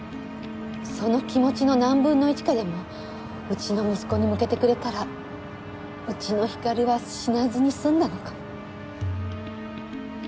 その気持ちの何分の一かでもうちの息子に向けてくれたらうちの光は死なずに済んだのかも。